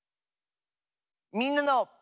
「みんなの」。